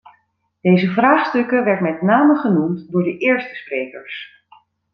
Deze vraagstukken werd met name genoemd door de eerste sprekers.